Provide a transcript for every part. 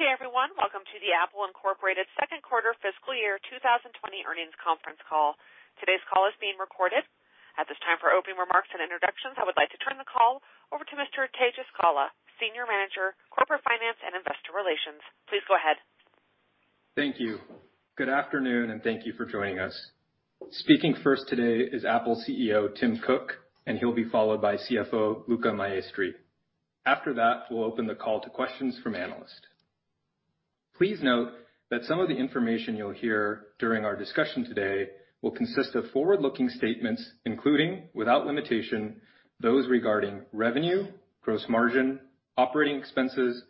Good day, everyone. Welcome to the Apple Incorporated second quarter fiscal year 2020 earnings conference call. Today's call is being recorded. At this time, for opening remarks and introductions, I would like to turn the call over to Mr. Tejas Gala, Senior Manager, Corporate Finance and Investor Relations. Please go ahead. Thank you. Good afternoon, and thank you for joining us. Speaking first today is Apple CEO, Tim Cook, and he'll be followed by CFO, Luca Maestri. After that, we'll open the call to questions from analysts. Please note that some of the information you'll hear during our discussion today will consist of forward-looking statements, including, without limitation, those regarding revenue, gross margin, operating expenses,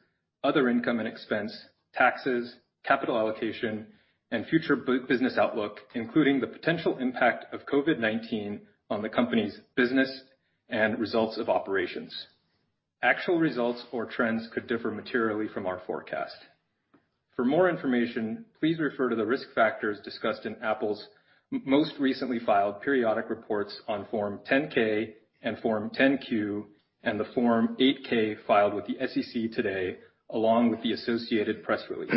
other income and expense, taxes, capital allocation, and future business outlook, including the potential impact of COVID-19 on the company's business and results of operations. Actual results or trends could differ materially from our forecast. For more information, please refer to the risk factors discussed in Apple's most recently filed periodic reports on Form 10-K and Form 10-Q, and the Form 8-K filed with the SEC today, along with the associated press release.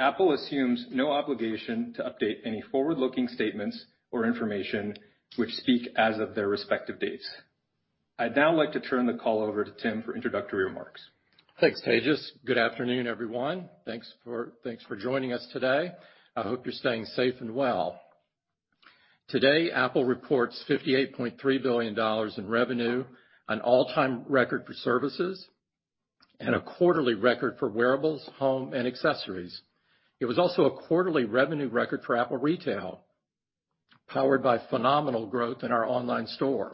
Apple assumes no obligation to update any forward-looking statements or information which speak as of their respective dates. I'd now like to turn the call over to Tim for introductory remarks. Thanks, Tejas. Good afternoon, everyone. Thanks for joining us today. I hope you're staying safe and well. Today, Apple reports $58.3 billion in revenue, an all-time record for services, and a quarterly record for wearables, home, and accessories. It was also a quarterly revenue record for Apple Retail, powered by phenomenal growth in our online store.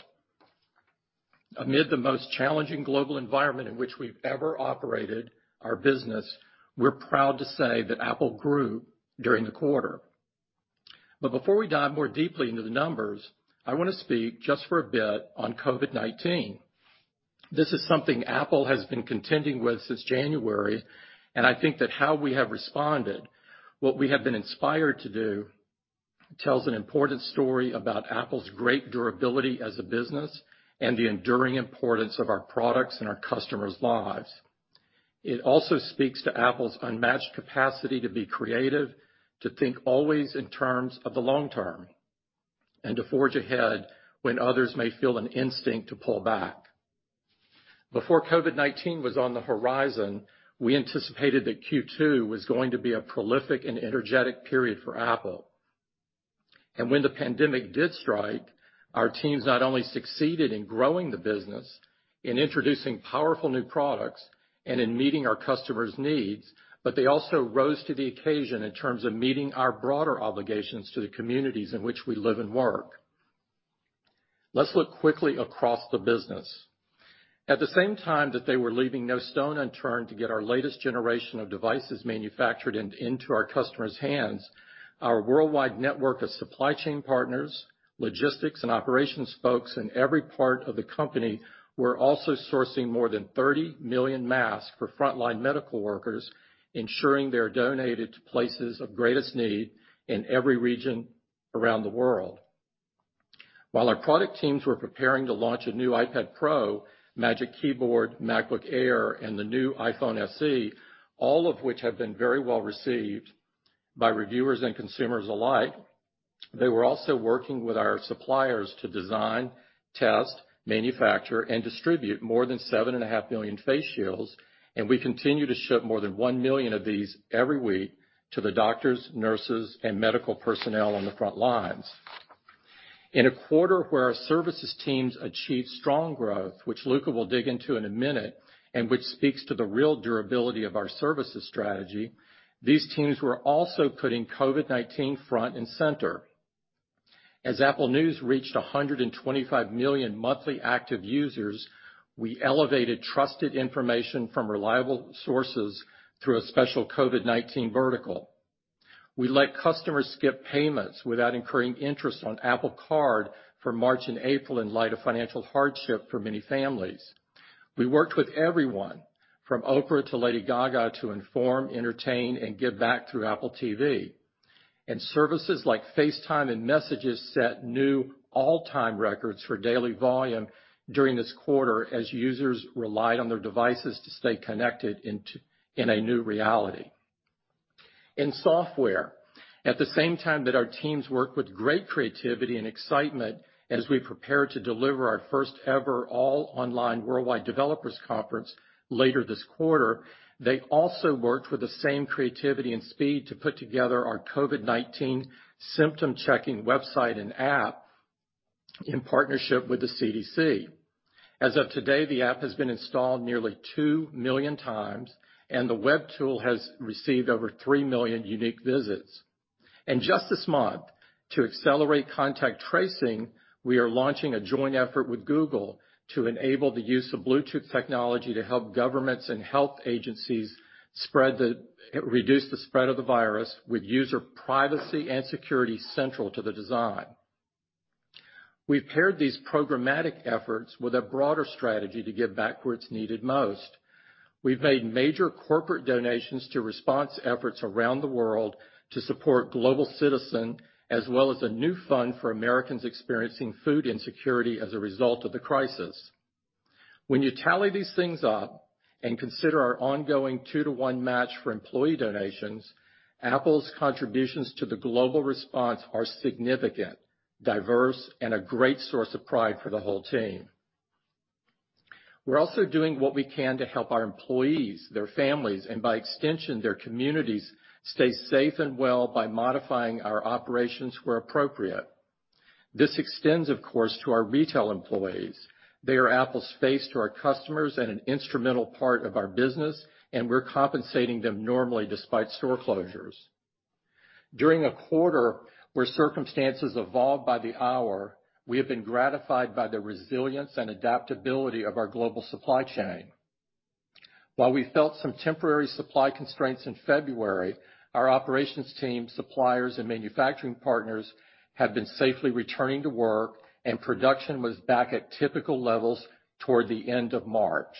Amid the most challenging global environment in which we've ever operated our business, we're proud to say that Apple grew during the quarter. Before we dive more deeply into the numbers, I want to speak just for a bit on COVID-19. This is something Apple has been contending with since January, and I think that how we have responded, what we have been inspired to do, tells an important story about Apple's great durability as a business and the enduring importance of our products in our customers' lives. It also speaks to Apple's unmatched capacity to be creative, to think always in terms of the long term, and to forge ahead when others may feel an instinct to pull back. Before COVID-19 was on the horizon, we anticipated that Q2 was going to be a prolific and energetic period for Apple. When the pandemic did strike, our teams not only succeeded in growing the business, in introducing powerful new products, and in meeting our customers' needs, but they also rose to the occasion in terms of meeting our broader obligations to the communities in which we live and work. Let's look quickly across the business. At the same time that they were leaving no stone unturned to get our latest generation of devices manufactured and into our customers' hands, our worldwide network of supply chain partners, logistics, and operations folks in every part of the company were also sourcing more than 30 million masks for frontline medical workers, ensuring they're donated to places of greatest need in every region around the world. While our product teams were preparing to launch a new iPad Pro, Magic Keyboard, MacBook Air, and the new iPhone SE, all of which have been very well received by reviewers and consumers alike, they were also working with our suppliers to design, test, manufacture, and distribute more than 7.5 billion face shields, and we continue to ship more than 1 million of these every week to the doctors, nurses, and medical personnel on the front lines. In a quarter where our services teams achieved strong growth, which Luca will dig into in a minute, and which speaks to the real durability of our services strategy, these teams were also putting COVID-19 front and center. As Apple News reached 125 million monthly active users, we elevated trusted information from reliable sources through a special COVID-19 vertical. We let customers skip payments without incurring interest on Apple Card for March and April in light of financial hardship for many families. We worked with everyone from Oprah to Lady Gaga to inform, entertain, and give back through Apple TV. Services like FaceTime and Messages set new all-time records for daily volume during this quarter as users relied on their devices to stay connected in a new reality. In software, at the same time that our teams worked with great creativity and excitement as we prepare to deliver our first ever all online Worldwide Developers Conference later this quarter, they also worked with the same creativity and speed to put together our COVID-19 symptom checking website and app in partnership with the CDC. As of today, the app has been installed nearly 2 million times, and the web tool has received over 3 million unique visits. Just this month, to accelerate contact tracing, we are launching a joint effort with Google to enable the use of Bluetooth technology to help governments and health agencies reduce the spread of the virus with user privacy and security central to the design. We've paired these programmatic efforts with a broader strategy to give back where it's needed most. We've made major corporate donations to response efforts around the world to support Global Citizen, as well as a new fund for Americans experiencing food insecurity as a result of the crisis. When you tally these things up and consider our ongoing two-to-one match for employee donations, Apple's contributions to the global response are significant, diverse, and a great source of pride for the whole team. We're also doing what we can to help our employees, their families, and by extension, their communities, stay safe and well by modifying our operations where appropriate. This extends, of course, to our retail employees. They are Apple's face to our customers and an instrumental part of our business, and we're compensating them normally despite store closures. During a quarter where circumstances evolved by the hour, we have been gratified by the resilience and adaptability of our global supply chain. While we felt some temporary supply constraints in February, our operations team, suppliers, and manufacturing partners have been safely returning to work, and production was back at typical levels toward the end of March.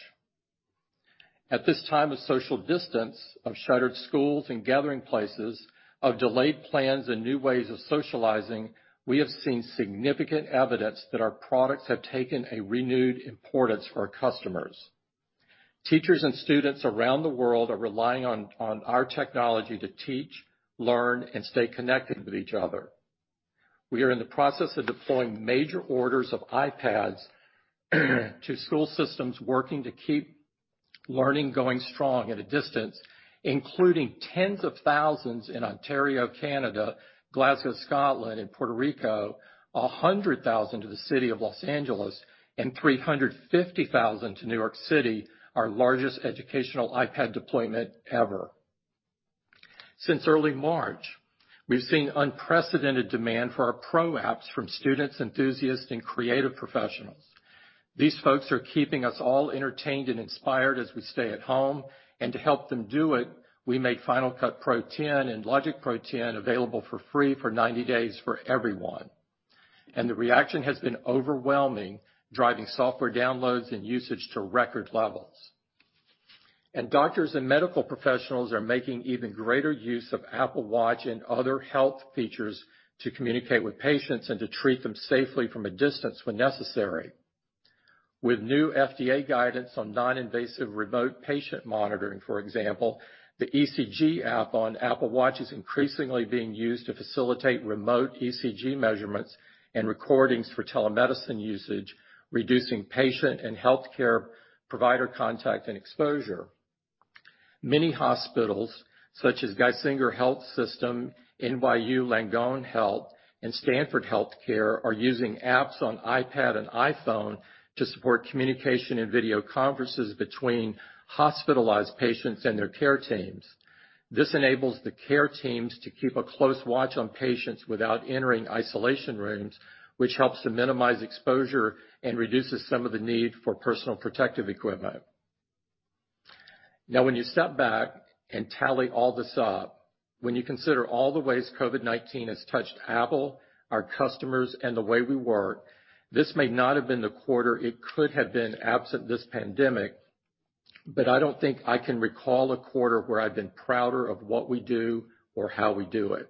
At this time of social distance, of shuttered schools and gathering places, of delayed plans and new ways of socializing, we have seen significant evidence that our products have taken a renewed importance for our customers. Teachers and students around the world are relying on our technology to teach, learn, and stay connected with each other. We are in the process of deploying major orders of iPads to school systems working to keep learning going strong at a distance, including tens of thousands in Ontario, Canada, Glasgow, Scotland, and Puerto Rico, 100,000 to the city of Los Angeles, and 350,000 to New York City, our largest educational iPad deployment ever. Since early March, we've seen unprecedented demand for our Pro apps from students, enthusiasts, and creative professionals. These folks are keeping us all entertained and inspired as we stay at home, and to help them do it, we made Final Cut Pro X and Logic Pro X available for free for 90 days for everyone. The reaction has been overwhelming, driving software downloads and usage to record levels. Doctors and medical professionals are making even greater use of Apple Watch and other health features to communicate with patients and to treat them safely from a distance when necessary. With new FDA guidance on non-invasive remote patient monitoring, for example, the ECG app on Apple Watch is increasingly being used to facilitate remote ECG measurements and recordings for telemedicine usage, reducing patient and healthcare provider contact and exposure. Many hospitals, such as Geisinger Health System, NYU Langone Health, and Stanford Health Care, are using apps on iPad and iPhone to support communication and video conferences between hospitalized patients and their care teams. This enables the care teams to keep a close watch on patients without entering isolation rooms, which helps to minimize exposure and reduces some of the need for personal protective equipment. Now, when you step back and tally all this up, when you consider all the ways COVID-19 has touched Apple, our customers, and the way we work, this may not have been the quarter it could have been absent this pandemic, but I don't think I can recall a quarter where I've been prouder of what we do or how we do it.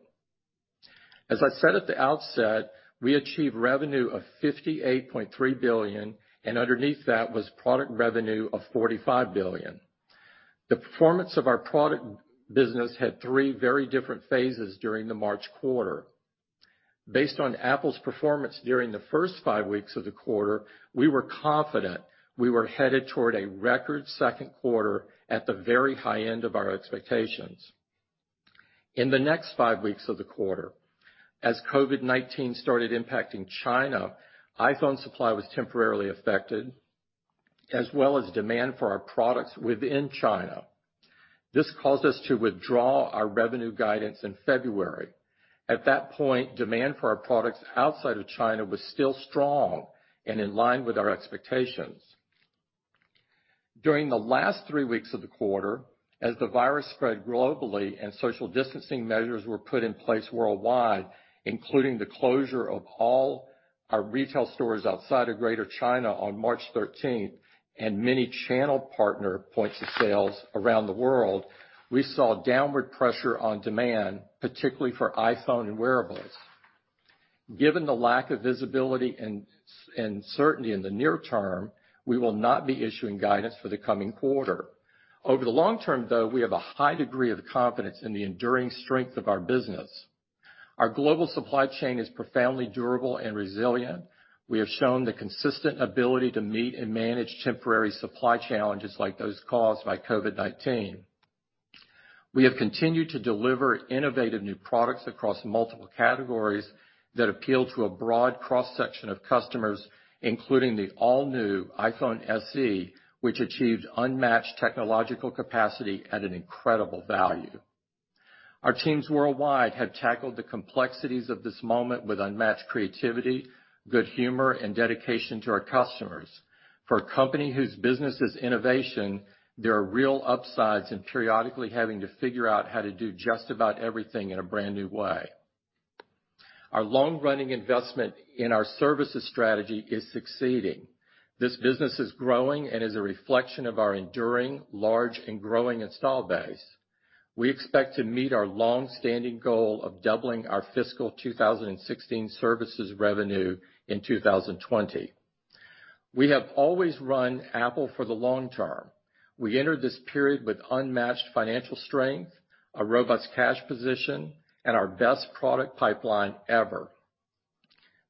As I said at the outset, we achieved revenue of $58.3 billion, and underneath that was product revenue of $45 billion. The performance of our product business had three very different phases during the March quarter. Based on Apple's performance during the first five weeks of the quarter, we were confident we were headed toward a record second quarter at the very high end of our expectations. In the next five weeks of the quarter, as COVID-19 started impacting China, iPhone supply was temporarily affected, as well as demand for our products within China. This caused us to withdraw our revenue guidance in February. At that point, demand for our products outside of China was still strong and in line with our expectations. During the last three weeks of the quarter, as the virus spread globally and social distancing measures were put in place worldwide, including the closure of all our retail stores outside of Greater China on March 13th, and many channel partner points of sales around the world, we saw downward pressure on demand, particularly for iPhone and wearables. Given the lack of visibility and certainty in the near term, we will not be issuing guidance for the coming quarter. Over the long term, though, we have a high degree of confidence in the enduring strength of our business. Our global supply chain is profoundly durable and resilient. We have shown the consistent ability to meet and manage temporary supply challenges like those caused by COVID-19. We have continued to deliver innovative new products across multiple categories that appeal to a broad cross-section of customers, including the all-new iPhone SE, which achieved unmatched technological capacity at an incredible value. Our teams worldwide have tackled the complexities of this moment with unmatched creativity, good humor, and dedication to our customers. For a company whose business is innovation, there are real upsides in periodically having to figure out how to do just about everything in a brand new way. Our long-running investment in our services strategy is succeeding. This business is growing and is a reflection of our enduring large and growing install base. We expect to meet our longstanding goal of doubling our fiscal 2016 services revenue in 2020. We have always run Apple for the long term. We entered this period with unmatched financial strength, a robust cash position, and our best product pipeline ever.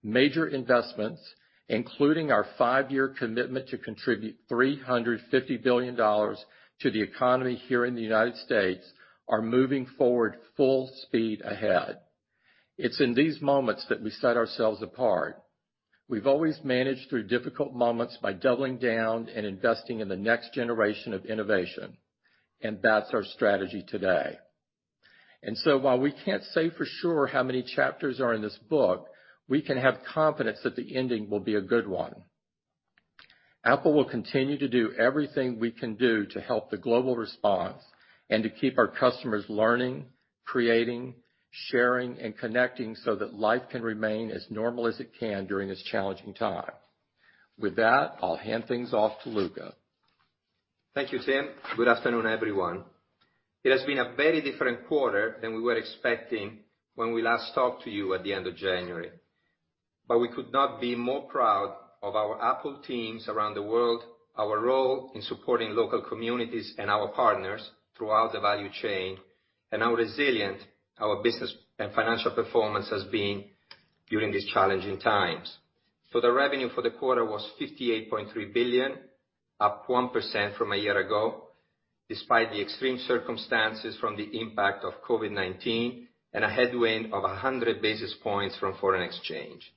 Major investments, including our five-year commitment to contribute $350 billion to the economy here in the U.S., are moving forward full speed ahead. It's in these moments that we set ourselves apart. We've always managed through difficult moments by doubling down and investing in the next generation of innovation. That's our strategy today. While we can't say for sure how many chapters are in this book, we can have confidence that the ending will be a good one. Apple will continue to do everything we can do to help the global response, and to keep our customers learning, creating, sharing, and connecting so that life can remain as normal as it can during this challenging time. With that, I'll hand things off to Luca. Thank you, Tim. Good afternoon, everyone. It has been a very different quarter than we were expecting when we last talked to you at the end of January. We could not be more proud of our Apple teams around the world, our role in supporting local communities and our partners throughout the value chain, and how resilient our business and financial performance has been during these challenging times. The revenue for the quarter was $58.3 billion, up 1% from a year ago, despite the extreme circumstances from the impact of COVID-19 and a headwind of 100 basis points from foreign exchange.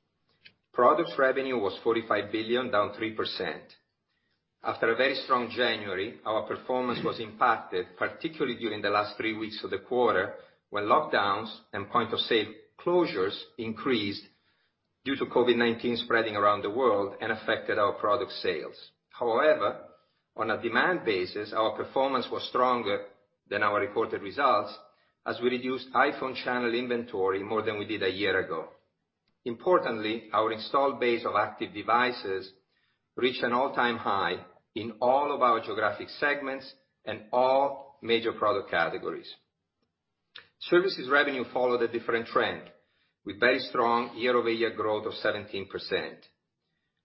Products revenue was $45 billion, down 3%. After a very strong January, our performance was impacted, particularly during the last three weeks of the quarter, when lockdowns and point-of-sale closures increased due to COVID-19 spreading around the world and affected our product sales. However, on a demand basis, our performance was stronger than our reported results, as we reduced iPhone channel inventory more than we did a year ago. Importantly, our install base of active devices reached an all-time high in all of our geographic segments and all major product categories. Services revenue followed a different trend, with very strong year-over-year growth of 17%.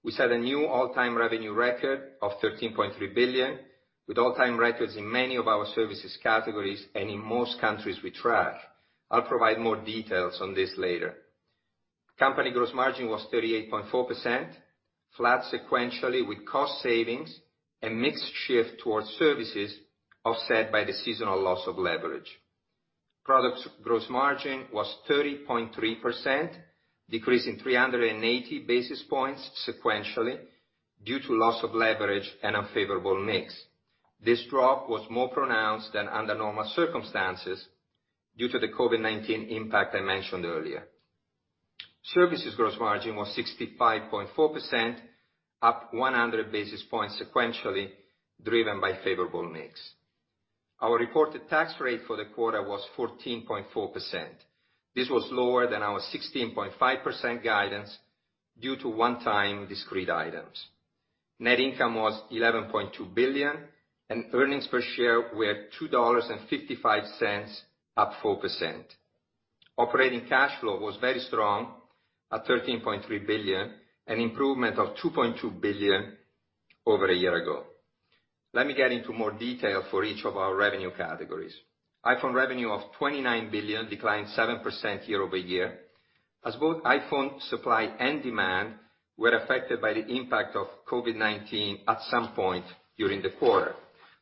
We set a new all-time revenue record of $13.3 billion, with all-time records in many of our services categories and in most countries we track. I'll provide more details on this later. Company gross margin was 38.4%, flat sequentially with cost savings and mix shift towards services offset by the seasonal loss of leverage. Products gross margin was 30.3%, decreasing 380 basis points sequentially due to loss of leverage and unfavorable mix. This drop was more pronounced than under normal circumstances due to the COVID-19 impact I mentioned earlier. Services gross margin was 65.4%, up 100 basis points sequentially, driven by favorable mix. Our reported tax rate for the quarter was 14.4%. This was lower than our 16.5% guidance due to one-time discrete items. Net income was $11.2 billion and earnings per share were $2.55, up 4%. Operating cash flow was very strong at $13.3 billion, an improvement of $2.2 billion over a year ago. Let me get into more detail for each of our revenue categories. iPhone revenue of $29 billion declined 7% year-over-year, as both iPhone supply and demand were affected by the impact of COVID-19 at some point during the quarter.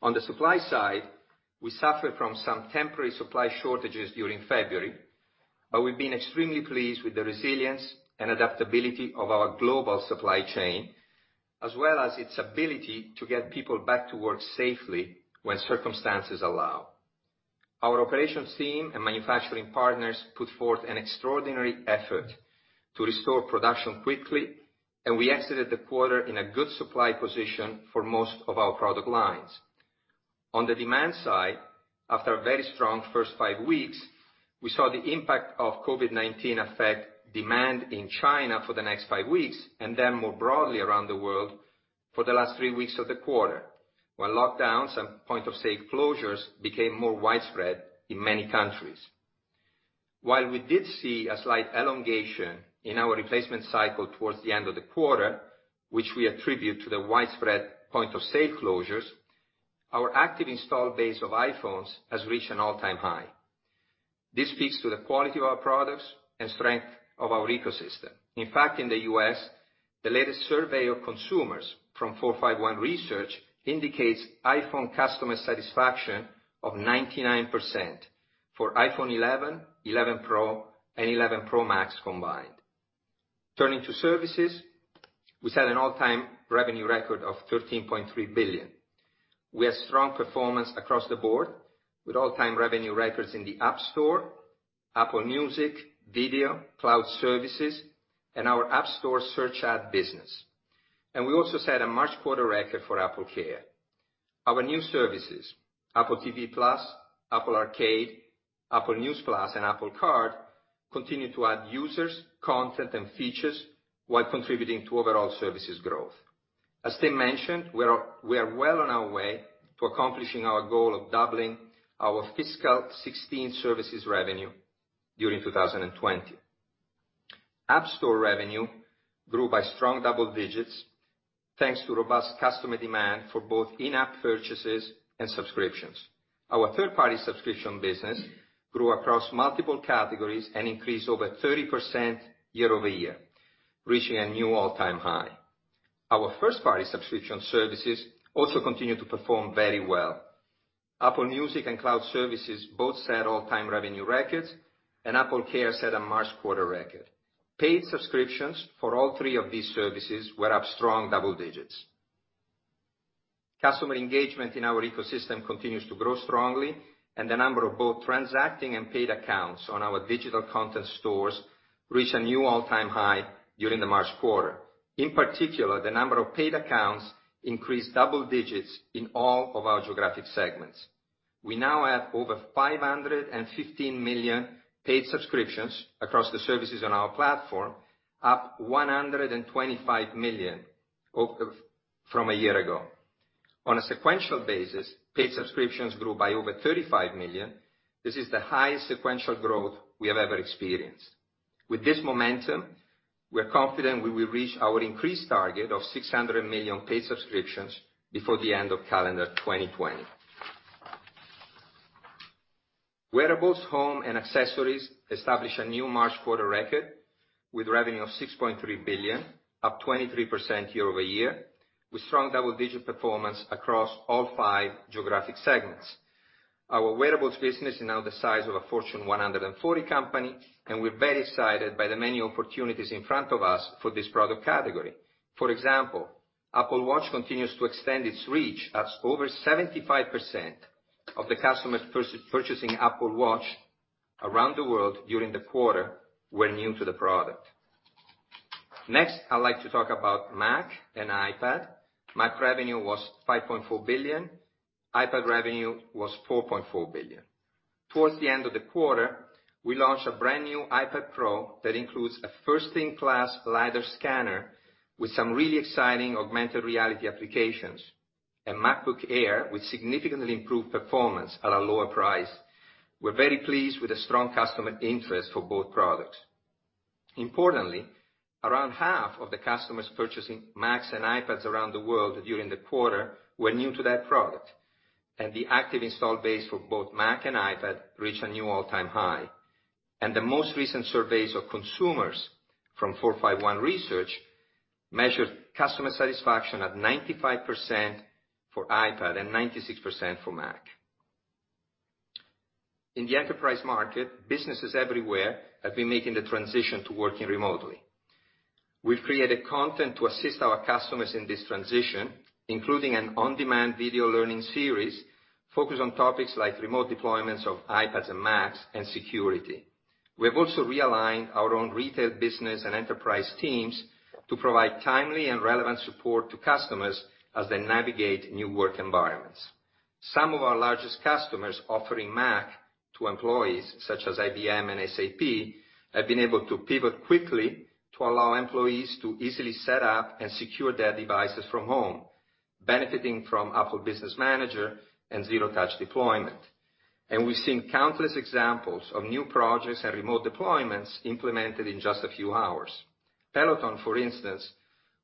On the supply side, we suffered from some temporary supply shortages during February. We've been extremely pleased with the resilience and adaptability of our global supply chain, as well as its ability to get people back to work safely when circumstances allow. Our operations team and manufacturing partners put forth an extraordinary effort to restore production quickly, and we exited the quarter in a good supply position for most of our product lines. On the demand side, after a very strong first five weeks, we saw the impact of COVID-19 affect demand in China for the next five weeks, and then more broadly around the world for the last three weeks of the quarter, when lockdowns and point-of-sale closures became more widespread in many countries. While we did see a slight elongation in our replacement cycle towards the end of the quarter, which we attribute to the widespread point-of-sale closures, our active install base of iPhones has reached an all-time high. This speaks to the quality of our products and strength of our ecosystem. In fact, in the U.S., the latest survey of consumers from 451 Research indicates iPhone customer satisfaction of 99% for iPhone 11 Pro and 11 Pro Max combined. Turning to services, we set an all-time revenue record of $13.3 billion. We had strong performance across the board with all-time revenue records in the App Store, Apple Music, Apple TV+, cloud services, and our App Store search ad business. We also set a March quarter record for AppleCare. Our new services, Apple TV+, Apple Arcade, Apple News+, and Apple Card, continue to add users, content, and features while contributing to overall services growth. As Tim mentioned, we are well on our way to accomplishing our goal of doubling our fiscal 2016 services revenue during 2020. App Store revenue grew by strong double digits thanks to robust customer demand for both in-app purchases and subscriptions. Our third-party subscription business grew across multiple categories and increased over 30% year-over-year, reaching a new all-time high. Our first-party subscription services also continued to perform very well. Apple Music and Cloud services both set all-time revenue records, and AppleCare set a March quarter record. Paid subscriptions for all three of these services were up strong double digits. Customer engagement in our ecosystem continues to grow strongly, and the number of both transacting and paid accounts on our digital content stores reached a new all-time high during the March quarter. In particular, the number of paid accounts increased double digits in all of our geographic segments. We now have over 515 million paid subscriptions across the services on our platform, up 125 million from a year ago. On a sequential basis, paid subscriptions grew by over 35 million. This is the highest sequential growth we have ever experienced. With this momentum, we're confident we will reach our increased target of 600 million paid subscriptions before the end of calendar 2020. Wearables, home, and accessories established a new March quarter record with revenue of $6.3 billion, up 23% year-over-year, with strong double-digit performance across all five geographic segments. Our wearables business is now the size of a Fortune 140 company, and we're very excited by the many opportunities in front of us for this product category. For example, Apple Watch continues to extend its reach as over 75% of the customers purchasing Apple Watch around the world during the quarter were new to the product. Next, I'd like to talk about Mac and iPad. Mac revenue was $5.4 billion. iPad revenue was $4.4 billion. Towards the end of the quarter, we launched a brand-new iPad Pro that includes a first-in-class lidar scanner with some really exciting augmented reality applications and MacBook Air with significantly improved performance at a lower price. We're very pleased with the strong customer interest for both products. Importantly, around half of the customers purchasing Macs and iPads around the world during the quarter were new to that product, and the active install base for both Mac and iPad reached a new all-time high. The most recent surveys of consumers from 451 Research measured customer satisfaction at 95% for iPad and 96% for Mac. In the enterprise market, businesses everywhere have been making the transition to working remotely. We've created content to assist our customers in this transition, including an on-demand video learning series focused on topics like remote deployments of iPads and Macs, and security. We have also realigned our own retail business and enterprise teams to provide timely and relevant support to customers as they navigate new work environments. Some of our largest customers offering Mac to employees such as IBM and SAP, have been able to pivot quickly to allow employees to easily set up and secure their devices from home, benefiting from Apple Business Manager and zero-touch deployment. We've seen countless examples of new projects and remote deployments implemented in just a few hours. Peloton, for instance,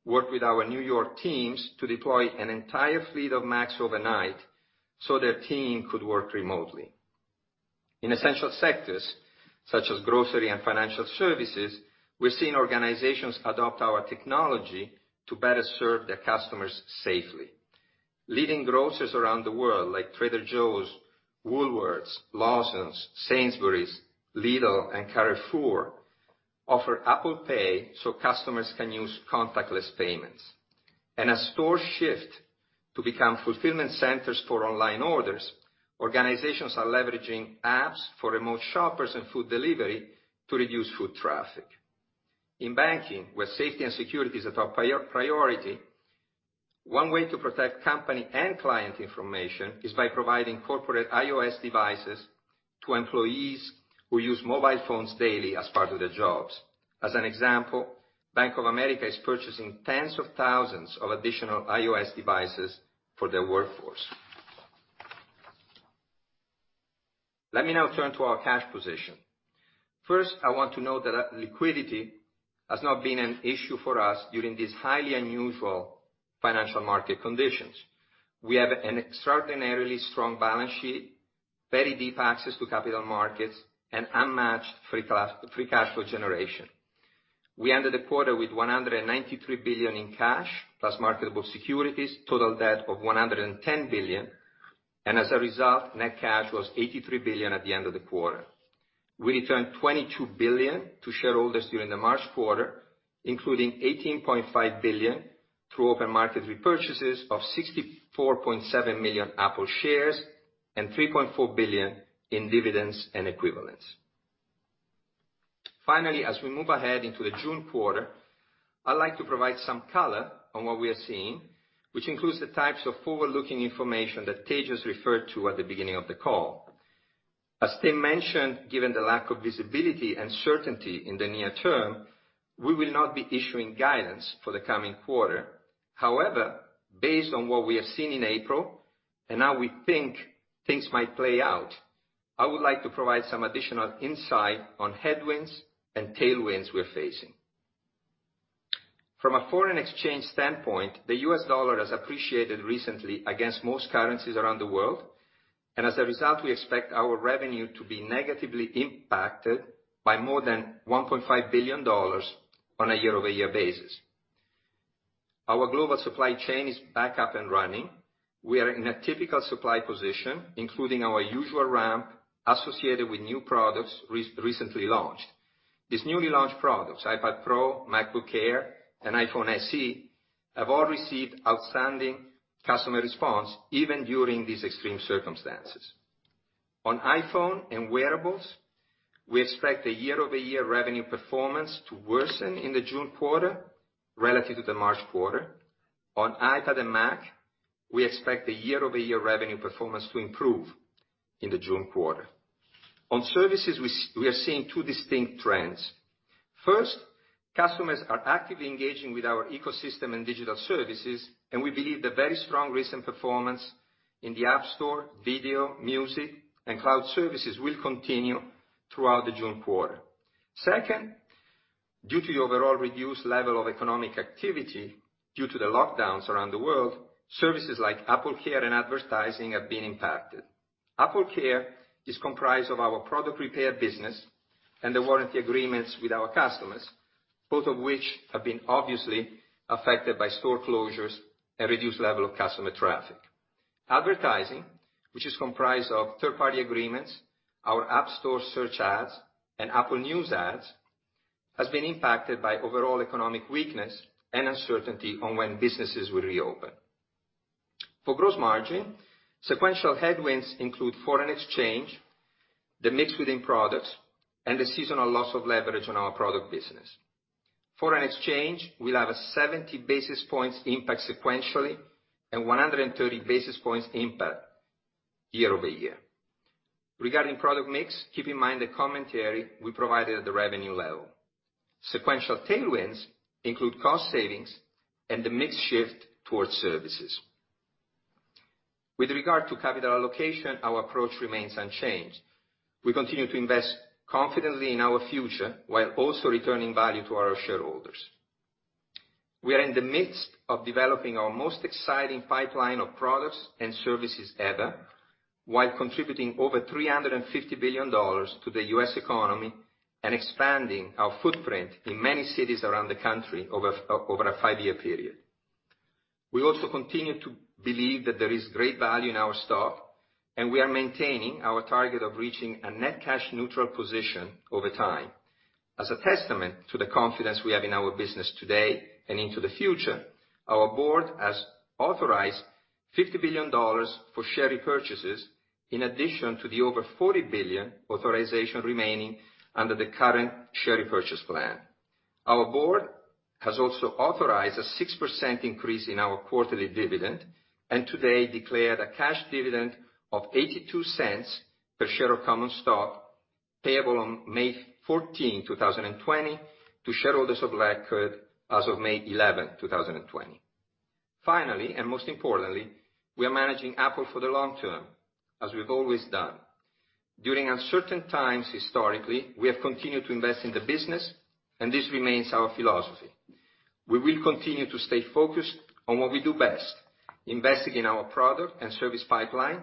worked with our New York teams to deploy an entire fleet of Macs overnight so their team could work remotely. In essential sectors such as grocery and financial services, we're seeing organizations adopt our technology to better serve their customers safely. Leading grocers around the world like Trader Joe's, Woolworths, Lawson, Sainsbury's, Lidl, and Carrefour offer Apple Pay so customers can use contactless payments. As stores shift to become fulfillment centers for online orders, organizations are leveraging apps for remote shoppers and food delivery to reduce foot traffic. In banking, where safety and security is a top priority, one way to protect company and client information is by providing corporate iOS devices to employees who use mobile phones daily as part of their jobs. As an example, Bank of America is purchasing tens of thousands of additional iOS devices for their workforce. Let me now turn to our cash position. First, I want to note that liquidity has not been an issue for us during these highly unusual financial market conditions. We have an extraordinarily strong balance sheet, very deep access to capital markets, and unmatched free cash flow generation. We ended the quarter with $193 billion in cash, plus marketable securities, total debt of $110 billion. As a result, net cash was $83 billion at the end of the quarter. We returned $22 billion to shareholders during the March quarter, including $18.5 billion through open market repurchases of 64.7 million Apple shares and $3.4 billion in dividends and equivalents. Finally, as we move ahead into the June quarter, I'd like to provide some color on what we are seeing, which includes the types of forward-looking information that Tejas has referred to at the beginning of the call. As Tim mentioned, given the lack of visibility and certainty in the near term, we will not be issuing guidance for the coming quarter. However, based on what we have seen in April, and how we think things might play out, I would like to provide some additional insight on headwinds and tailwinds we're facing. From a foreign exchange standpoint, the U.S. dollar has appreciated recently against most currencies around the world, and as a result, we expect our revenue to be negatively impacted by more than $1.5 billion on a year-over-year basis. Our global supply chain is back up and running. We are in a typical supply position, including our usual ramp associated with new products recently launched. These newly launched products, iPad Pro, MacBook Air, and iPhone SE, have all received outstanding customer response, even during these extreme circumstances. On iPhone and wearables, we expect a year-over-year revenue performance to worsen in the June quarter relative to the March quarter. On iPad and Mac, we expect the year-over-year revenue performance to improve in the June quarter. On services, we are seeing two distinct trends. First, customers are actively engaging with our ecosystem and digital services, and we believe the very strong recent performance in the App Store, video, music, and cloud services will continue throughout the June quarter. Second, due to the overall reduced level of economic activity due to the lockdowns around the world, services like AppleCare and advertising have been impacted. AppleCare is comprised of our product repair business and the warranty agreements with our customers, both of which have been obviously affected by store closures and reduced level of customer traffic. Advertising, which is comprised of third-party agreements, our App Store search ads, and Apple News ads, has been impacted by overall economic weakness and uncertainty on when businesses will reopen. For gross margin, sequential headwinds include foreign exchange, the mix within products, and the seasonal loss of leverage on our product business. Foreign exchange will have a 70 basis points impact sequentially, and 130 basis points impact year-over-year. Regarding product mix, keep in mind the commentary we provided at the revenue level. Sequential tailwinds include cost savings and the mix shift towards services. With regard to capital allocation, our approach remains unchanged. We continue to invest confidently in our future while also returning value to our shareholders. We are in the midst of developing our most exciting pipeline of products and services ever, while contributing over $350 billion to the U.S. economy and expanding our footprint in many cities around the country over a five-year period. We also continue to believe that there is great value in our stock, and we are maintaining our target of reaching a net cash neutral position over time. As a testament to the confidence we have in our business today and into the future, our board has authorized $50 billion for share repurchases in addition to the over $40 billion authorization remaining under the current share repurchase plan. Our board has also authorized a 6% increase in our quarterly dividend, and today declared a cash dividend of $0.82 per share of common stock payable on May 14, 2020, to shareholders of record as of May 11, 2020. Finally, and most importantly, we are managing Apple for the long term, as we've always done. During uncertain times historically, we have continued to invest in the business, and this remains our philosophy. We will continue to stay focused on what we do best, investing in our product and service pipeline,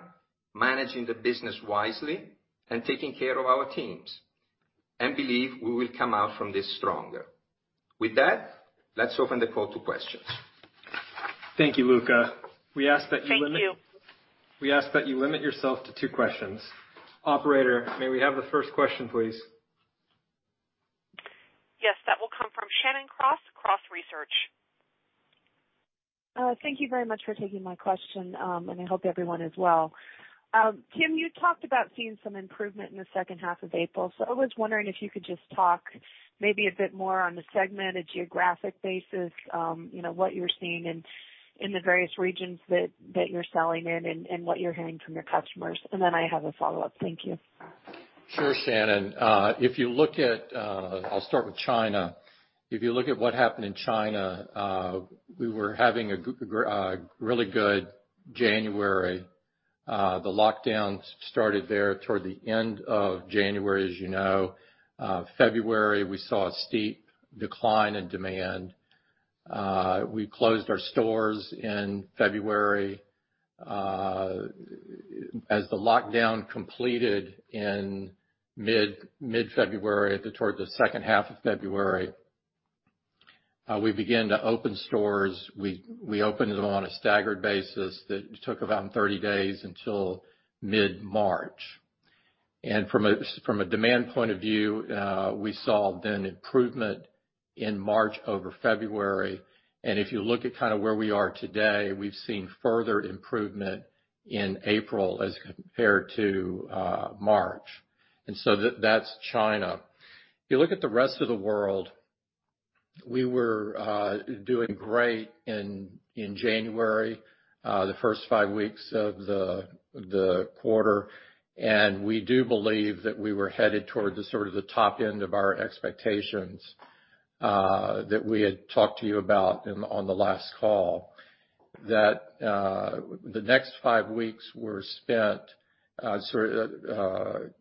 managing the business wisely, and taking care of our teams, and believe we will come out from this stronger. With that, let's open the call to questions. Thank you, Luca. We ask that you limit. Thank you. We ask that you limit yourself to two questions. Operator, may we have the first question, please? Yes, that will come from Shannon CrossCross Research. Thank you very much for taking my question, and I hope everyone is well. Tim, you talked about seeing some improvement in the second half of April. I was wondering if you could just talk maybe a bit more on the segmented geographic basis, what you're seeing in the various regions that you're selling in, and what you're hearing from your customers. I have a follow-up. Thank you. Sure, Shannon. I'll start with China. If you look at what happened in China, we were having a really good January. The lockdown started there toward the end of January, as you know. February, we saw a steep decline in demand. We closed our stores in February. As the lockdown completed in mid-February toward the second half of February, we began to open stores. We opened them on a staggered basis that took about 30 days until mid-March. From a demand point of view, we saw then improvement in March over February. If you look at where we are today, we've seen further improvement in April as compared to March. That's China. If you look at the rest of the world We were doing great in January, the first five weeks of the quarter, we do believe that we were headed towards the sort of the top end of our expectations that we had talked to you about on the last call. The next five weeks were spent sort of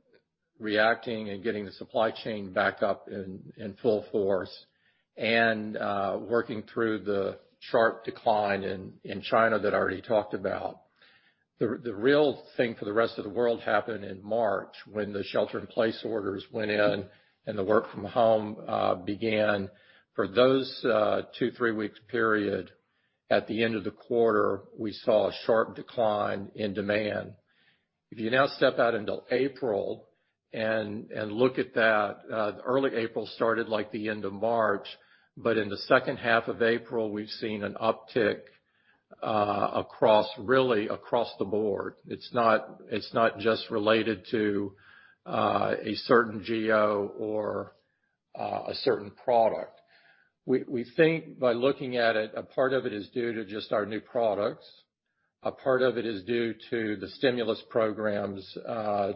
reacting and getting the supply chain back up in full force and working through the sharp decline in China that I already talked about. The real thing for the rest of the world happened in March when the shelter-in-place orders went in and the work from home began. For those two, three-week period at the end of the quarter, we saw a sharp decline in demand. If you now step out into April and look at that, early April started like the end of March, but in the second half of April, we've seen an uptick really across the board. It's not just related to a certain geo or a certain product. We think by looking at it, a part of it is due to just our new products. A part of it is due to the stimulus programs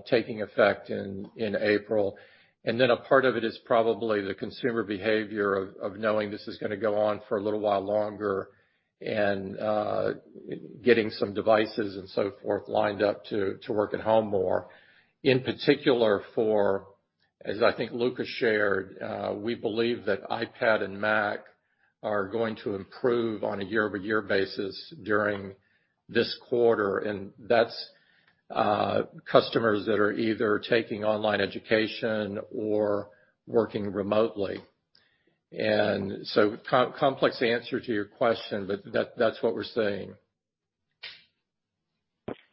taking effect in April, and then a part of it is probably the consumer behavior of knowing this is going to go on for a little while longer and getting some devices and so forth lined up to work at home more. In particular for, as I think Luca shared, we believe that iPad and Mac are going to improve on a year-over-year basis during this quarter. That's customers that are either taking online education or working remotely. Complex answer to your question, but that's what we're seeing.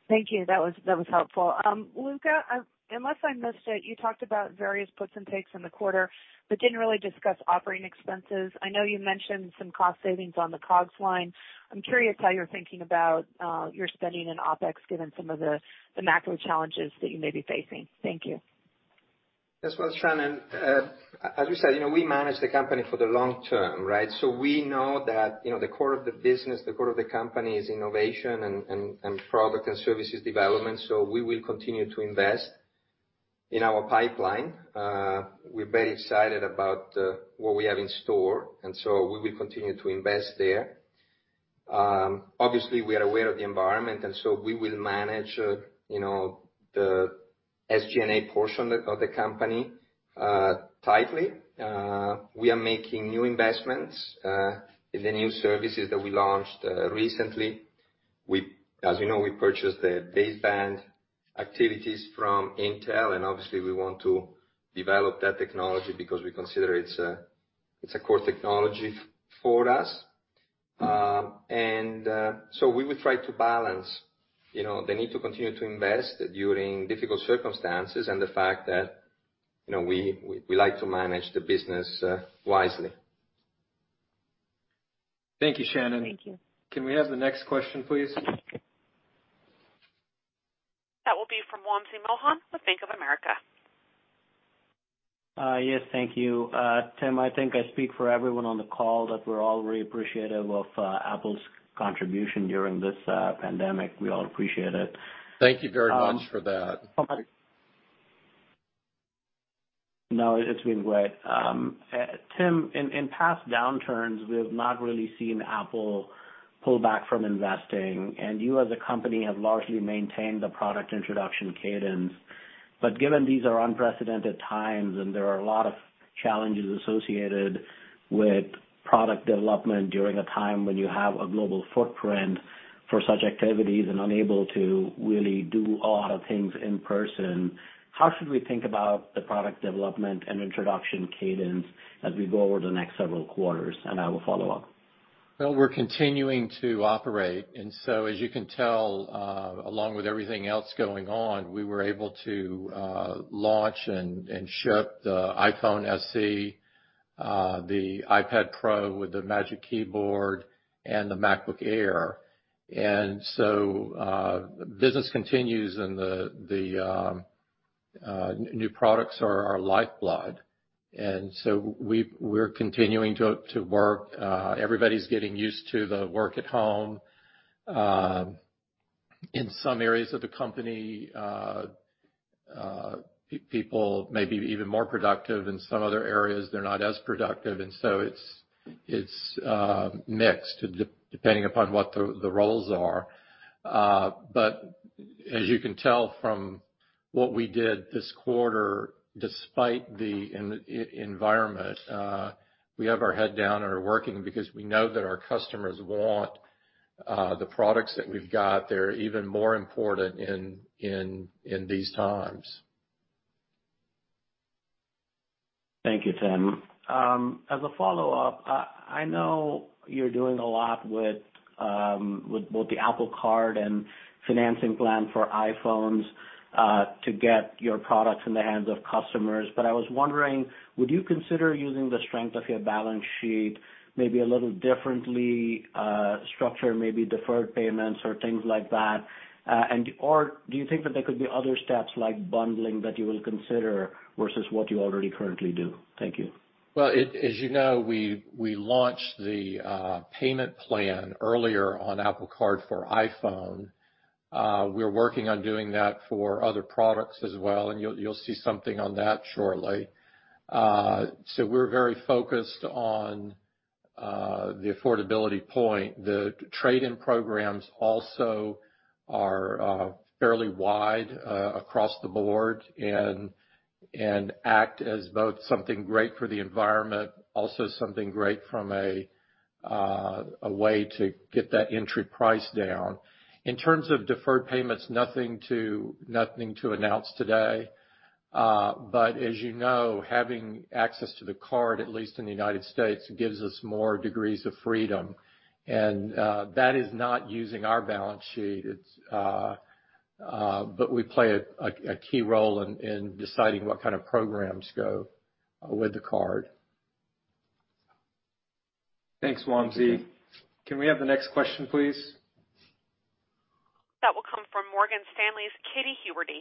Thank you. That was helpful. Luca, unless I missed it, you talked about various puts and takes in the quarter but didn't really discuss operating expenses. I know you mentioned some cost savings on the COGS line. I'm curious how you're thinking about your spending in OpEx, given some of the macro challenges that you may be facing. Thank you. Yes, thanks, Shannon. As we said, we manage the company for the long term, right? We know that the core of the business, the core of the company, is innovation and product and services development. We will continue to invest in our pipeline. We're very excited about what we have in store, and so we will continue to invest there. Obviously, we are aware of the environment, and so we will manage the SG&A portion of the company tightly. We are making new investments in the new services that we launched recently. As you know, we purchased the baseband activities from Intel, and obviously, we want to develop that technology because we consider it's a core technology for us. We will try to balance the need to continue to invest during difficult circumstances and the fact that we like to manage the business wisely. Thank you, Shannon. Thank you. Can we have the next question, please? That will be from Wamsi Mohan with Bank of America. Yes, thank you. Tim, I think I speak for everyone on the call that we're all very appreciative of Apple's contribution during this pandemic. We all appreciate it. Thank you very much for that. No, it's been great. Tim, in past downturns, we have not really seen Apple pull back from investing, and you as a company have largely maintained the product introduction cadence. Given these are unprecedented times and there are a lot of challenges associated with product development during a time when you have a global footprint for such activities and unable to really do a lot of things in person, how should we think about the product development and introduction cadence as we go over the next several quarters? I will follow up. Well, we're continuing to operate, and so as you can tell, along with everything else going on, we were able to launch and ship the iPhone SE, the iPad Pro with the Magic Keyboard, and the MacBook Air. Business continues, and the new products are our lifeblood. We're continuing to work. Everybody's getting used to the work at home. In some areas of the company, people may be even more productive. In some other areas, they're not as productive, and so it's mixed depending upon what the roles are. As you can tell from what we did this quarter, despite the environment, we have our head down and are working because we know that our customers want the products that we've got. They're even more important in these times. Thank you, Tim. As a follow-up, I know you're doing a lot with both the Apple Card and financing plan for iPhones to get your products in the hands of customers, but I was wondering, would you consider using the strength of your balance sheet, maybe a little differently structure, maybe deferred payments or things like that. Do you think that there could be other steps like bundling that you will consider versus what you already currently do? Thank you. Well, as you know, we launched the payment plan earlier on Apple Card for iPhone. We're working on doing that for other products as well, and you'll see something on that shortly. We're very focused on the affordability point. The trade-in programs also are fairly wide across the board and act as both something great for the environment, also something great from a way to get that entry price down. In terms of deferred payments, nothing to announce today. As you know, having access to the card, at least in the United States, gives us more degrees of freedom. That is not using our balance sheet. We play a key role in deciding what kind of programs go with the card. Thanks, Wamsi. Can we have the next question, please? That will come from Morgan Stanley's Katy Huberty.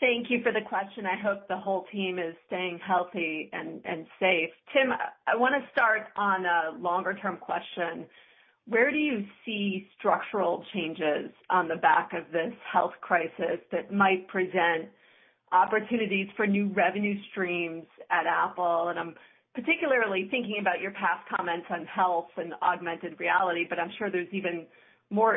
Thank you for the question. I hope the whole team is staying healthy and safe. Tim, I want to start on a longer-term question. Where do you see structural changes on the back of this health crisis that might present opportunities for new revenue streams at Apple? I'm particularly thinking about your past comments on health and augmented reality, but I'm sure there's even more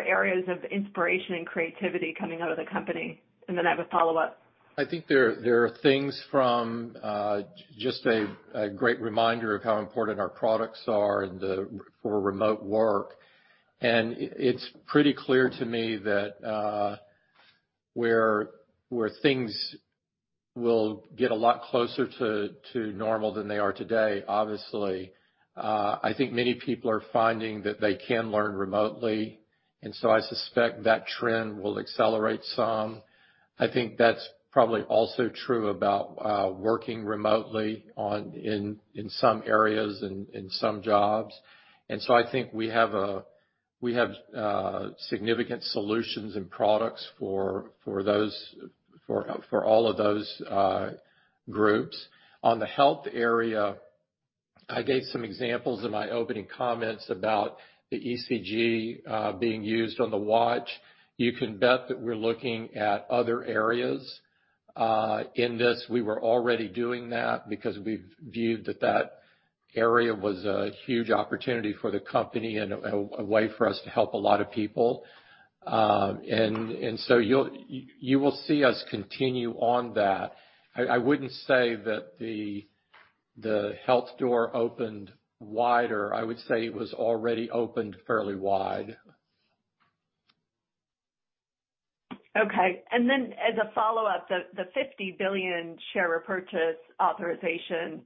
areas of inspiration and creativity coming out of the company. I have a follow-up. I think there are things from just a great reminder of how important our products are for remote work. It's pretty clear to me that where things will get a lot closer to normal than they are today, obviously, I think many people are finding that they can learn remotely, and so I suspect that trend will accelerate some. I think that's probably also true about working remotely in some areas and in some jobs. I think we have significant solutions and products for all of those groups. On the health area, I gave some examples in my opening comments about the ECG being used on the watch. You can bet that we're looking at other areas in this. We were already doing that because we viewed that that area was a huge opportunity for the company and a way for us to help a lot of people. You will see us continue on that. I wouldn't say that the health door opened wider. I would say it was already opened fairly wide. Okay. As a follow-up, the $50 billion share repurchase authorization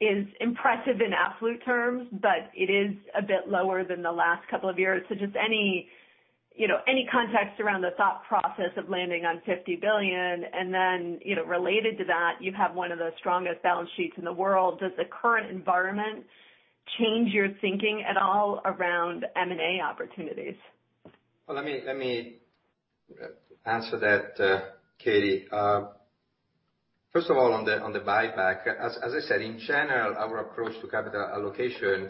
is impressive in absolute terms, but it is a bit lower than the last couple of years. Just any context around the thought process of landing on $50 billion and then, related to that, you have one of the strongest balance sheets in the world. Does the current environment change your thinking at all around M&A opportunities? Well, let me answer that, Katy. First of all, on the buyback, as I said, in general, our approach to capital allocation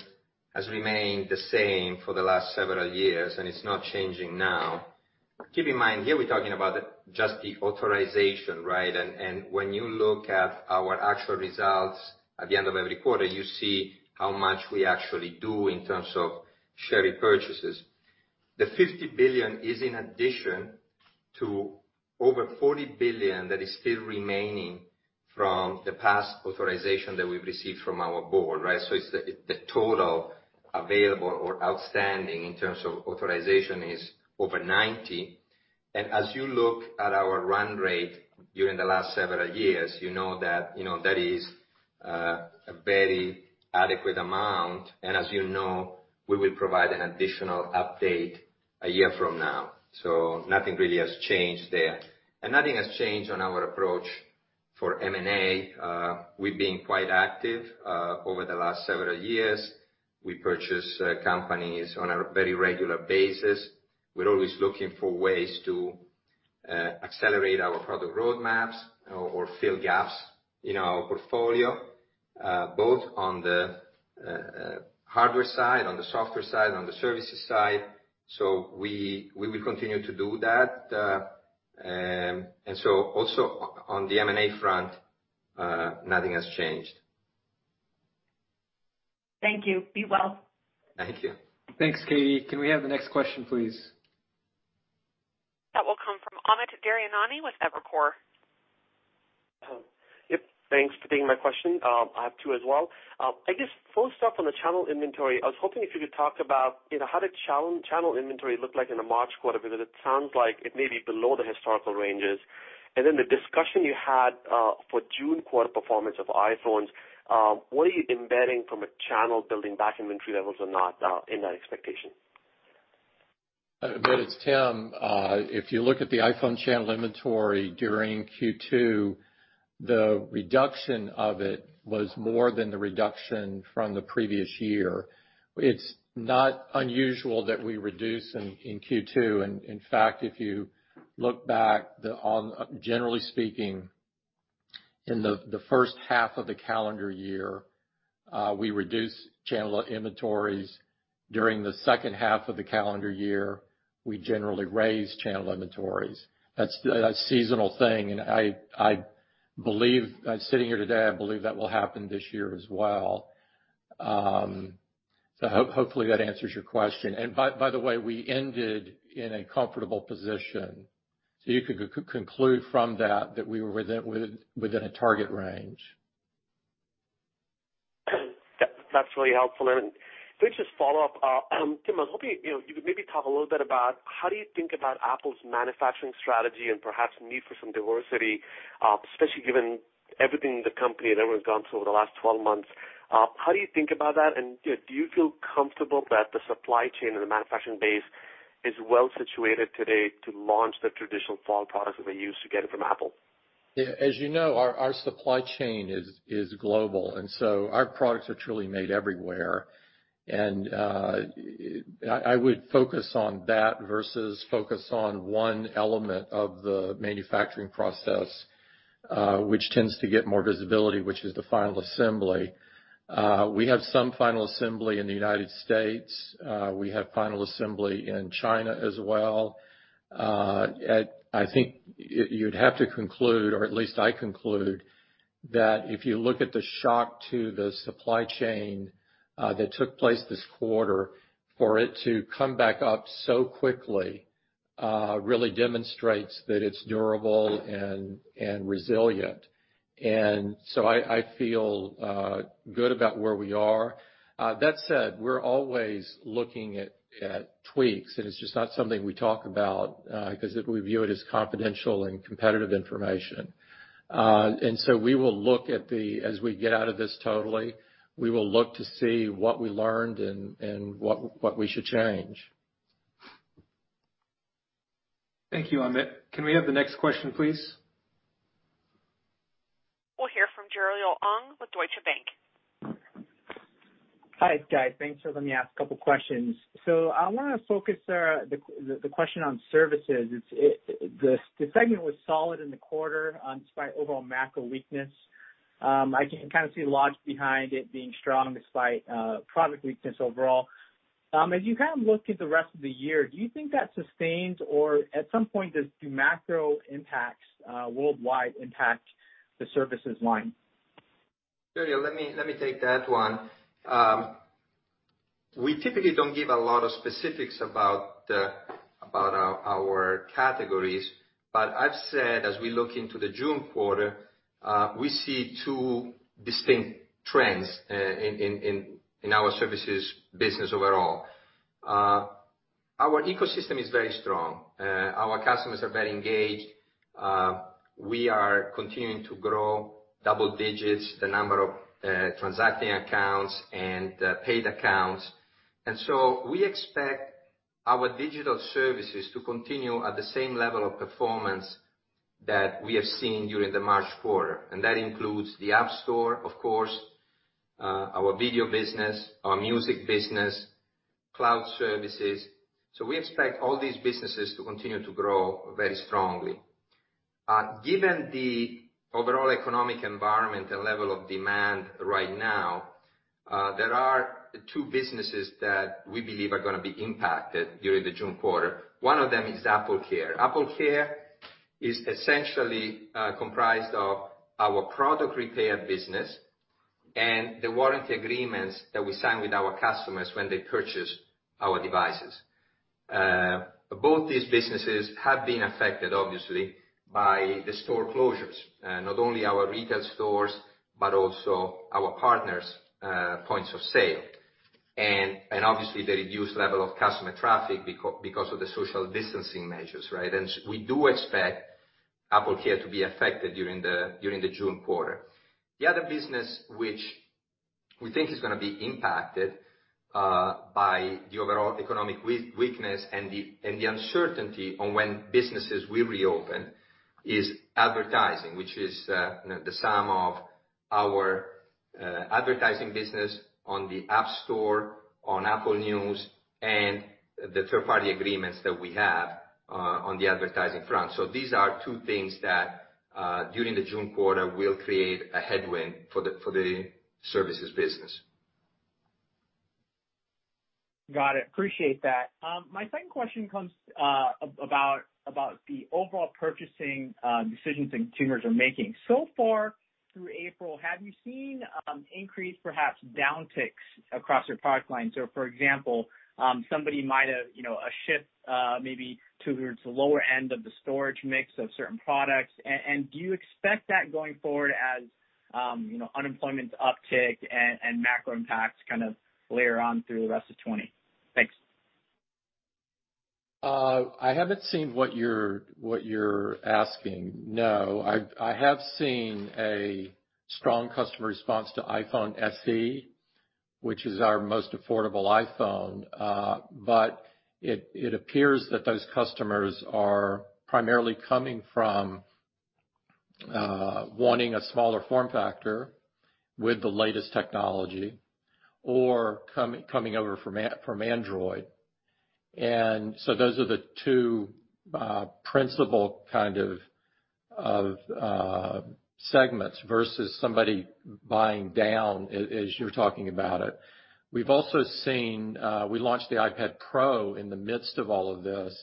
has remained the same for the last several years, it's not changing now. Keep in mind, here we're talking about just the authorization, right? When you look at our actual results at the end of every quarter, you see how much we actually do in terms of share repurchases. The $50 billion is in addition to over $40 billion that is still remaining from the past authorization that we've received from our board, right? The total available or outstanding in terms of authorization is over $90 billion. As you look at our run rate during the last several years, you know that is a very adequate amount. As you know, we will provide an additional update a year from now. Nothing really has changed there. Nothing has changed on our approach for M&A. We've been quite active over the last several years. We purchase companies on a very regular basis. We're always looking for ways to accelerate our product roadmaps or fill gaps in our portfolio, both on the hardware side, on the software side, on the services side. We will continue to do that. Also on the M&A front, nothing has changed. Thank you. Be well. Thank you. Thanks, Katy. Can we have the next question, please? That will come from Amit Daryanani with Evercore. Yep. Thanks for taking my question. I have two as well. I guess first off, on the channel inventory, I was hoping if you could talk about how did channel inventory look like in the March quarter, because it sounds like it may be below the historical ranges. Then the discussion you had for June quarter performance of iPhones, what are you embedding from a channel building back inventory levels or not in that expectation? Amit, it's Tim. If you look at the iPhone channel inventory during Q2, the reduction of it was more than the reduction from the previous year. It's not unusual that we reduce in Q2. In fact, if you look back, generally speaking, in the first half of the calendar year, we reduce channel inventories. During the second half of the calendar year, we generally raise channel inventories. That's a seasonal thing, and sitting here today, I believe that will happen this year as well. Hopefully, that answers your question. By the way, we ended in a comfortable position. You could conclude from that we were within a target range. That's really helpful. Can I just follow up? Tim, I was hoping you could maybe talk a little bit about how do you think about Apple's manufacturing strategy and perhaps need for some diversity, especially given everything the company has ever gone through over the last 12 months. How do you think about that, and do you feel comfortable that the supply chain and the manufacturing base is well situated today to launch the traditional fall products that we're used to getting from Apple? As you know, our supply chain is global. Our products are truly made everywhere. I would focus on that versus focus on one element of the manufacturing process, which tends to get more visibility, which is the final assembly. We have some final assembly in the U.S. We have final assembly in China as well. I think you'd have to conclude, or at least I conclude, that if you look at the shock to the supply chain that took place this quarter, for it to come back up so quickly, really demonstrates that it's durable and resilient. I feel good about where we are. That said, we're always looking at tweaks, and it's just not something we talk about, because we view it as confidential and competitive information. As we get out of this totally, we will look to see what we learned and what we should change. Thank you, Amit. Can we have the next question, please? We'll hear from Jeriel Ong with Deutsche Bank. Hi guys. Thanks for letting me ask a couple of questions. I want to focus the question on services. The segment was solid in the quarter despite overall macro weakness. I can kind of see logic behind it being strong despite product weakness overall. As you look at the rest of the year, do you think that sustains or at some point, does macro impacts worldwide impact the services line? Jeriel, let me take that one. We typically don't give a lot of specifics about our categories. I've said, as we look into the June quarter, we see two distinct trends in our services business overall. Our ecosystem is very strong. Our customers are very engaged. We are continuing to grow double digits, the number of transacting accounts and paid accounts. We expect our digital services to continue at the same level of performance that we have seen during the March quarter. That includes the App Store, of course, our video business, our music business, cloud services. We expect all these businesses to continue to grow very strongly. Given the overall economic environment and level of demand right now, there are two businesses that we believe are going to be impacted during the June quarter. One of them is AppleCare. AppleCare is essentially comprised of our product repair business and the warranty agreements that we sign with our customers when they purchase our devices. Both these businesses have been affected, obviously, by the store closures. Not only our retail stores, but also our partners' points of sale. Obviously, the reduced level of customer traffic because of the social distancing measures, right? We do expect AppleCare to be affected during the June quarter. The other business which we think is going to be impacted by the overall economic weakness and the uncertainty on when businesses will reopen is advertising, which is the sum of our advertising business on the App Store, on Apple News, and the third-party agreements that we have on the advertising front. These are two things that, during the June quarter, will create a headwind for the services business. Got it. Appreciate that. My second question comes about the overall purchasing decisions that consumers are making. Far through April, have you seen increased, perhaps, downticks across your product line? For example, somebody might have a shift maybe towards the lower end of the storage mix of certain products. Do you expect that going forward as unemployment uptick and macro impacts kind of layer on through the rest of 2020? Thanks. I haven't seen what you're asking, no. I have seen a strong customer response to iPhone SE, which is our most affordable iPhone. It appears that those customers are primarily coming from wanting a smaller form factor with the latest technology or coming over from Android. Those are the two principal segments versus somebody buying down, as you're talking about it. We've also seen, we launched the iPad Pro in the midst of all of this,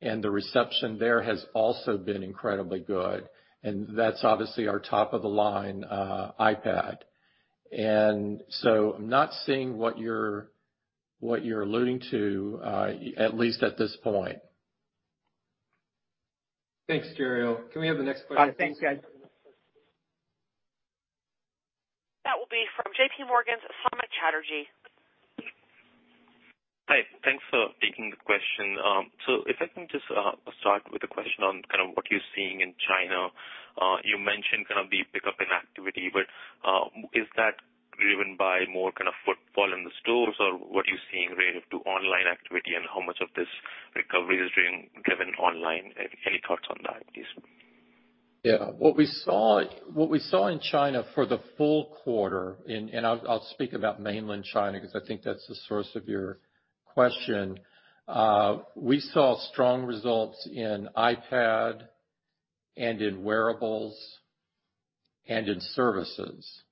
and the reception there has also been incredibly good. That's obviously our top-of-the-line iPad. I'm not seeing what you're alluding to, at least at this point. Thanks, Jeriel. Can we have the next question? Thanks, guys. That will be from JPMorgan's Samik Chatterjee. Hi. Thanks for taking the question. If I can just start with a question on what you're seeing in China. You mentioned the pickup in activity, but is that driven by more footfall in the stores or what you're seeing relative to online activity and how much of this recovery is being driven online? Any thoughts on that, please? Yeah. What we saw in China for the full quarter, and I'll speak about mainland China because I think that's the source of your question. We saw strong results in iPad and in wearables and in services.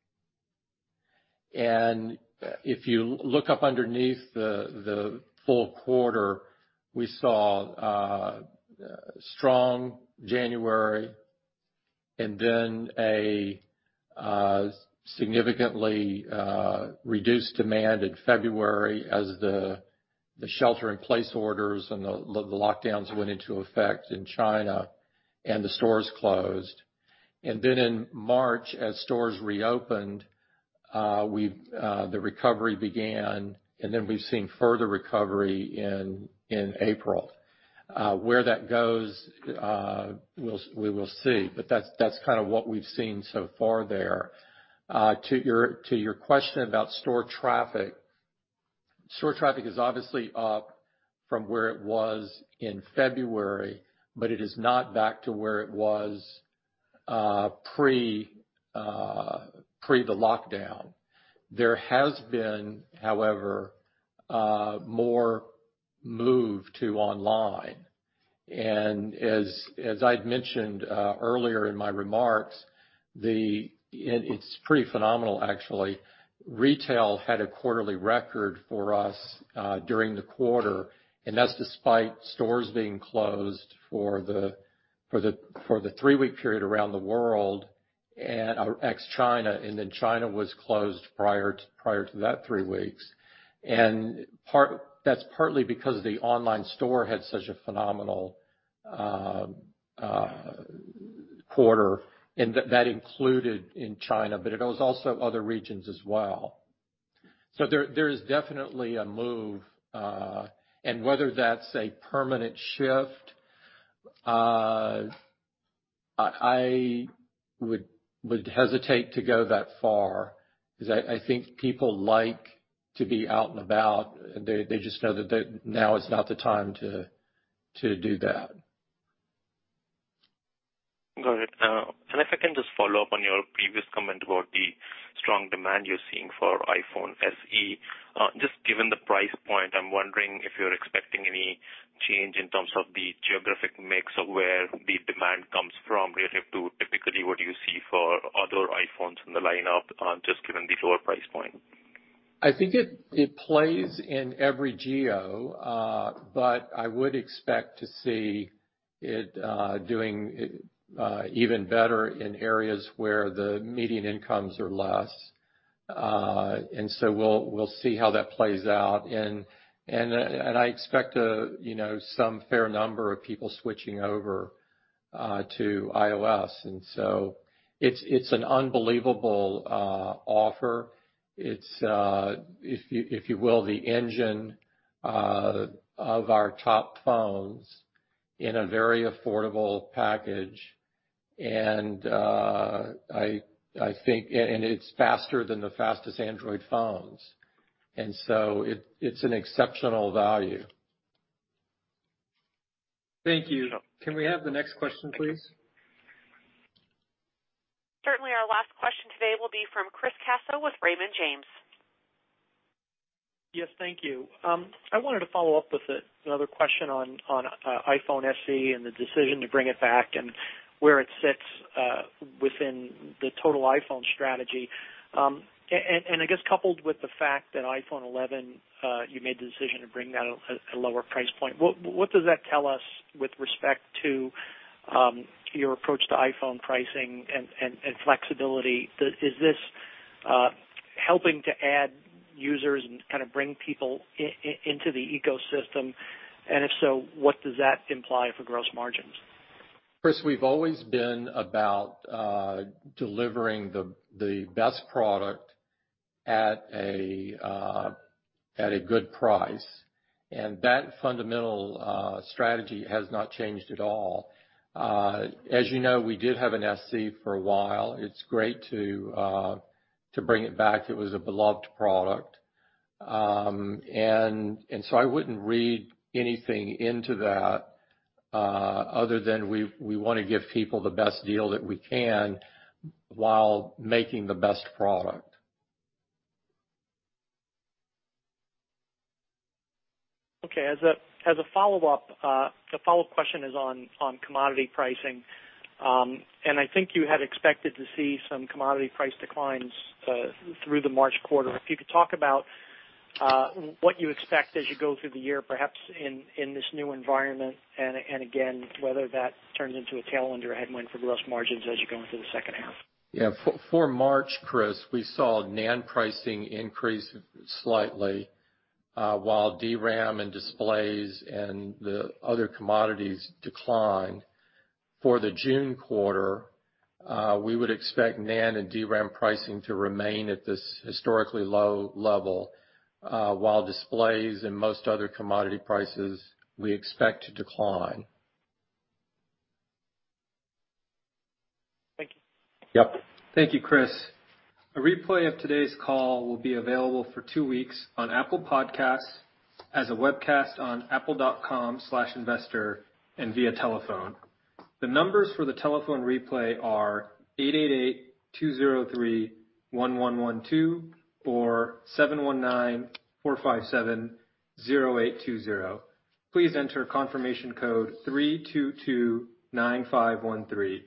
If you look up underneath the full quarter, we saw a strong January and then a significantly reduced demand in February as the shelter-in-place orders and the lockdowns went into effect in China and the stores closed. In March, as stores reopened, the recovery began, and then we've seen further recovery in April. Where that goes, we will see, but that's what we've seen so far there. To your question about store traffic, store traffic is obviously up from where it was in February, but it is not back to where it was pre the lockdown. There has been, however, more move to online. As I'd mentioned earlier in my remarks, it's pretty phenomenal actually. Retail had a quarterly record for us during the quarter, and that's despite stores being closed for the three-week period around the world ex China, and then China was closed prior to that three weeks. That's partly because the Online Store had such a phenomenal quarter, and that included in China, but it was also other regions as well. There is definitely a move, and whether that's a permanent shift, I would hesitate to go that far because I think people like to be out and about. They just know that now is not the time to do that. Got it. If I can just follow up on your previous comment about the strong demand you're seeing for iPhone SE. Just given the price point, I'm wondering if you're expecting any change in terms of the geographic mix of where the demand comes from relative to typically what you see for other iPhones in the lineup, just given the lower price point. I think it plays in every geo. I would expect to see it doing even better in areas where the median incomes are less. We'll see how that plays out, and I expect some fair number of people switching over to iOS. It's an unbelievable offer. It's, if you will, the engine of our top phones in a very affordable package. It's faster than the fastest Android phones. It's an exceptional value. Thank you. Can we have the next question, please? Certainly. Our last question today will be from Chris Caso with Raymond James. Yes, thank you. I wanted to follow up with another question on iPhone SE and the decision to bring it back and where it sits within the total iPhone strategy. I guess coupled with the fact that iPhone 11, you made the decision to bring that at a lower price point. What does that tell us with respect to your approach to iPhone pricing and flexibility? Is this helping to add users and bring people into the ecosystem? If so, what does that imply for gross margins? Chris, we've always been about delivering the best product at a good price. That fundamental strategy has not changed at all. As you know, we did have an SC for a while. It's great to bring it back. It was a beloved product. So I wouldn't read anything into that, other than we want to give people the best deal that we can while making the best product. Okay, as a follow-up, the follow-up question is on commodity pricing. I think you had expected to see some commodity price declines through the March quarter. If you could talk about what you expect as you go through the year, perhaps in this new environment, and again, whether that turns into a tailwind or a headwind for gross margins as you go into the second half. Yeah. For March, Chris, we saw NAND pricing increase slightly, while DRAM and displays and the other commodities declined. For the June quarter, we would expect NAND and DRAM pricing to remain at this historically low level, while displays and most other commodity prices we expect to decline. Thank you. Yep. Thank you, Chris. A replay of today's call will be available for two weeks on Apple Podcasts, as a webcast on investor.apple.com, and via telephone. The numbers for the telephone replay are 888-203-1112 or 719-457-0820. Please enter confirmation code 3229513.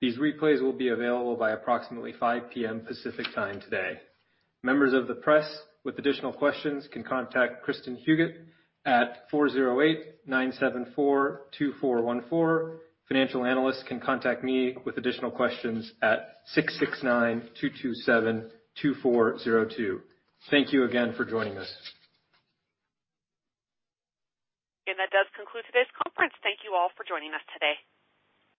These replays will be available by approximately 5:00 P.M. Pacific Time today. Members of the press with additional questions can contact Kristin Huguet at 408-974-2414. Financial analysts can contact me with additional questions at 669-227-2402. Thank you again for joining us. That does conclude today's conference. Thank you all for joining us today.